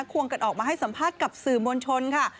ควงกันออกมาให้สัมภาษณ์กับสื่อมวลชนค่ะ